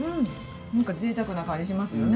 何かぜいたくな感じしますよね。